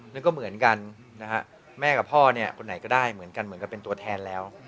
นั่นก็เหมือนกันนะฮะแม่กับพ่อเนี่ยคนไหนก็ได้เหมือนกันเหมือนกับเป็นตัวแทนแล้ว